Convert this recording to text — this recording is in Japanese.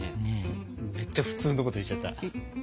めっちゃ普通のこと言っちゃった。